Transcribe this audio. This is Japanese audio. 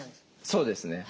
そうですね。